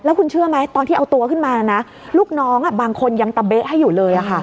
คุณเชื่อไหมตอนที่เอาตัวขึ้นมานะลูกน้องบางคนยังตะเบ๊ะให้อยู่เลย